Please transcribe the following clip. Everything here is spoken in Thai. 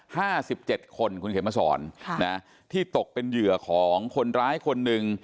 ห้าสิบเจ็ดคนคุณเขมสอนค่ะนะที่ตกเป็นเหยื่อของคนร้ายคนหนึ่ง